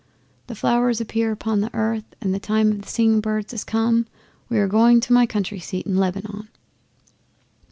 The flowers appear upon the earth, and the time of the singing of birds is come. We are going to my country seat in Lebanon."